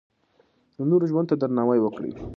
د نورو ژوند ته درناوی وکړئ.